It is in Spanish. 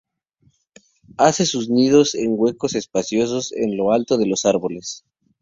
Hace sus nidos en huecos espaciosos en lo alto de los árboles.